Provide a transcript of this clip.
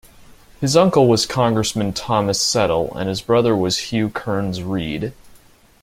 His uncle was Congressman Thomas Settle, and his brother was Hugh Kearns Reid.